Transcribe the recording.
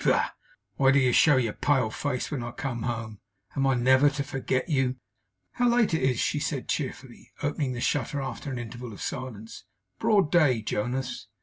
Pah! Why do you show your pale face when I come home? Am I never to forget you?' 'How late it is!' she said cheerfully, opening the shutter after an interval of silence. 'Broad day, Jonas!